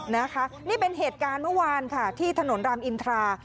นะคะนี่เป็นเหตุการณ์เมื่อวานค่ะที่ถนนรามอินทรา